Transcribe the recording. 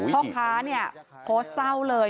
พ่อค้าเนี่ยโพสต์เศร้าเลย